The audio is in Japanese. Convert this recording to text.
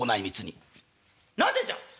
「なぜじゃ？」。